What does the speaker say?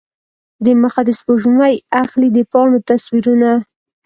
دمخه د سپوږمۍ اخلي د پاڼو تصویرونه